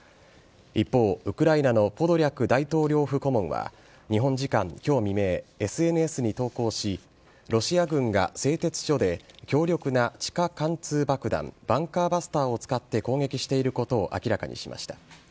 一方、ウクライナのポドリャク大統領府顧問は日本時間今日未明ＳＮＳに投稿しロシア軍が製鉄所で強力な地下貫通爆弾バンカーバスターを使って攻撃していることを明らかにしました。